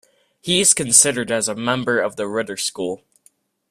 He is considered as a member of the Ritter-School.